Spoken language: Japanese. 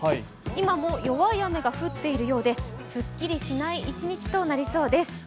今も弱い雨が降っているようで、すっきりしない一日となりそうです。